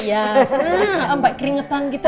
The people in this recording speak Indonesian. ya sampai keringetan gitu